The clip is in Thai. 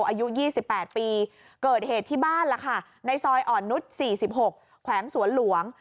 อายุ๒๘ปีเกิดเหตุที่บ้านล่ะค่ะในซอยอ่อนนุษย์๔๖แขวงสวนหลวง